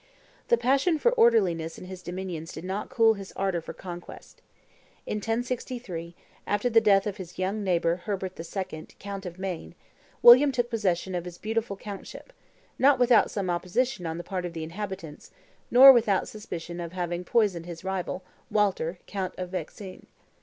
The passion for orderliness in his dominion did not cool his ardor for conquest. In 1063, after the death of his young neighbor Herbert II., count of Maine, William took possession of this beautiful countship; not without some opposition on the part of the inhabitants, nor without suspicion of having poisoned his rival, Walter, count of Vexin.